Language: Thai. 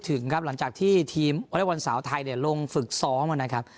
ถึงครับหลังจากที่ทีมวอเล็กบอลสาวไทยเนี่ยลงฝึกซ้อมนะครับ